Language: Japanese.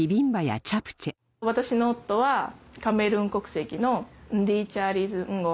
私の夫はカメルーン国籍のンディ・チャーリーズ・ンゴ。